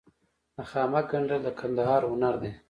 د خامک ګنډل د کندهار هنر دی.